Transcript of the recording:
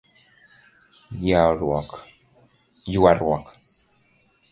Yuaruok;